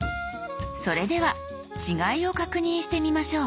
それでは違いを確認してみましょう。